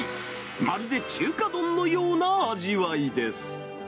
まるで中華丼のような味わいです。